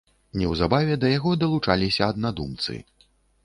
Неўзабаве да яго далучаліся аднадумцы.